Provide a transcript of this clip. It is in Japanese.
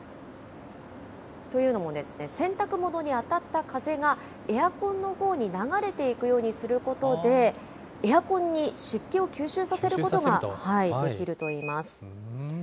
というのもですね、洗濯物に当たった風がエアコンのほうに流れていくようにすることで、エアコンに湿気を吸収させることができるといいます。